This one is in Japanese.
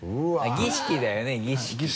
儀式だよね儀式。